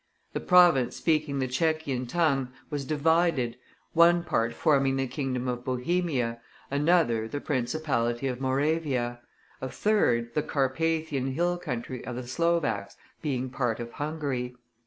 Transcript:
The province speaking the Tschechian tongue was divided, one part forming the kingdom of Bohemia, another the principality of Moravia, a third the Carpathian hill country of the Slovaks, being part of Hungary.